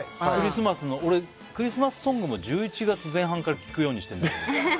俺、クリスマスソングも１１月前半から聴くようにしてるんだけど。